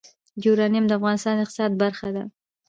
یورانیم د افغانستان د اقتصاد برخه ده.